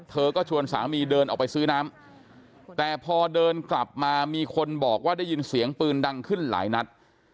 เธอก็ชวนสามีเดินออกไปซื้อน้ำแต่พอเดินกลับมามีคนบอกว่าได้ยินเสียงปืนดังขึ้นหลายนัด